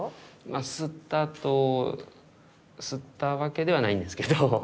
まあ吸ったと吸ったわけではないんですけど。